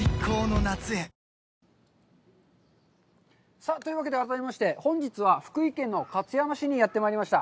さあというわけで、改めまして、本日は福井県の勝山市にやってまいりました。